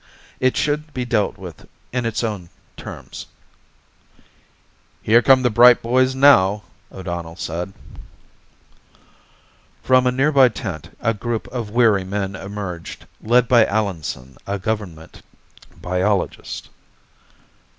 It should be dealt with in its own terms. "Here come the bright boys now," O'Donnell said. From a nearby tent a group of weary men emerged, led by Allenson, a government biologist.